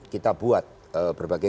kita buat berbagai